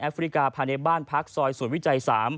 ฟริกาภายในบ้านพักซอยสวนวิจัย๓